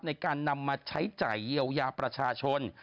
ในการนำมาใช้จ่ายเยียวยาประชาชน